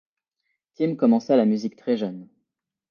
Tim commença la musique très jeune.